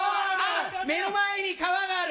目の前に川がある。